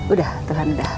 udah tuhan dah